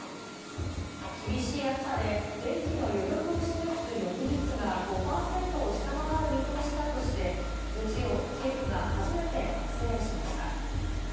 厳しい暑さで電気の余力を示す予備率が５％を下回る見通しだとして、月曜、政府が初めて発令しました。